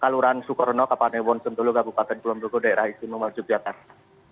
kelurahan sukarno kapalewon sentulung kabupaten pulau md daerah itu memasuk jakarta